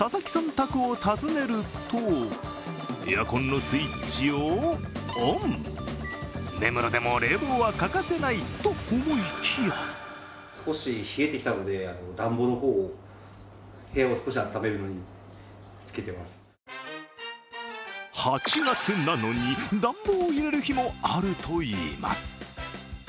宅を訪ねるとエアコンのスイッチをオン、根室でも冷房は欠かせないと思いきや８月なのに暖房を入れる日もあると言います。